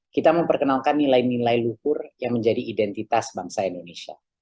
kita memperkenalkan nilai nilai luhur yang menjadi identitas bangsa indonesia